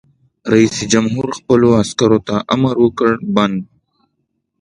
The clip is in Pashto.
رئیس جمهور خپلو عسکرو ته امر وکړ؛ بند!